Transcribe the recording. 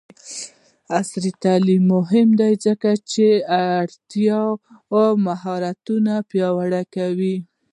عصري تعلیم مهم دی ځکه چې د ارتباط مهارتونه پیاوړی کوي.